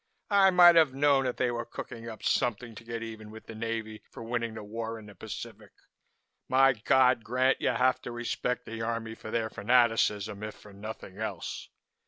I might have known that they were cooking up something to get even with the Navy for winning this war in the Pacific. My God! Grant, you have to respect the Army for their fanaticism, if for nothing else.